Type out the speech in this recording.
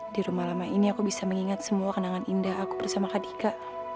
di rumah lama ini aku bisa mengingat semua kenangan indah aku bersama kak dika